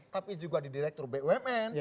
tapi juga di direktur bumn